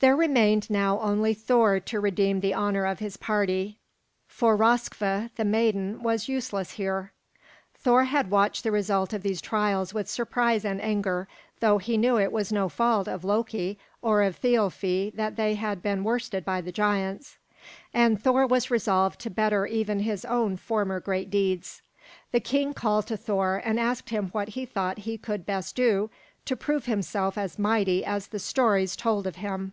There remained now only Thor to redeem the honor of his party, for Röskva the maiden was useless here. Thor had watched the result of these trials with surprise and anger, though he knew it was no fault of Loki or of Thialfi that they had been worsted by the giants. And Thor was resolved to better even his own former great deeds. The king called to Thor, and asked him what he thought he could best do to prove himself as mighty as the stories told of him.